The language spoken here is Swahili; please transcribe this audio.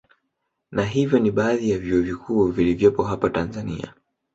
Na hivyo ni baadhi ya vyuo vikuu vilivyopo hapa Tanzania